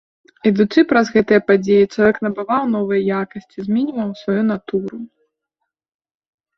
Ідучы праз гэтыя падзеі, чалавек набываў новыя якасці, зменьваў сваю натуру.